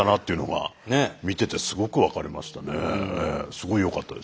すごいよかったです。